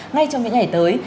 ngay trong những ngày tới